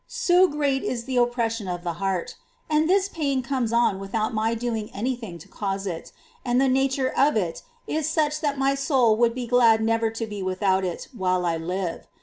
377 great is the oppression of the heart ; and this pain comes on without my doing any thing to cause it, and the nature of it is such that my soul would be glad never to be without it while I live.